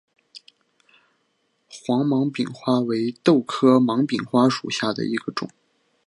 黄芒柄花为豆科芒柄花属下的一个种。